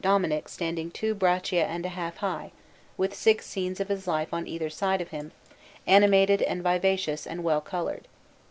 Dominic standing two braccia and a half high, with six scenes of his life on either side of him, animated and vivacious and well coloured.